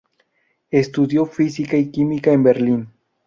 Estudió física y química en Berlín.